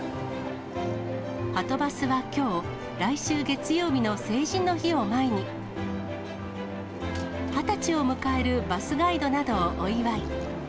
はとバスはきょう、来週月曜日の成人の日を前に、二十歳を迎えるバスガイドなどをお祝い。